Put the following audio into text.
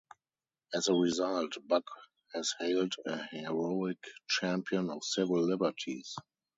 As a result, Buck was hailed a heroic champion of civil liberties.